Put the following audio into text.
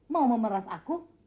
mau memeras aku